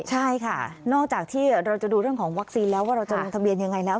ใช่ค่ะนอกจากที่เราจะดูเรื่องของวัคซีนแล้วว่าเราจะลงทะเบียนยังไงแล้ว